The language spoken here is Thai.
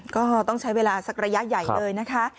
ก็ต้องใช้เวลาสักระยะใหญ่เลยนะคะ